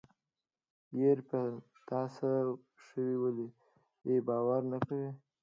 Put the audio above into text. يره په تاڅه شوي ولې باور نه کوې.